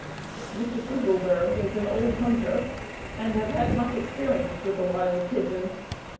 Mr. Fugleberg is an old hunter and has had much experience with the wild pigeon.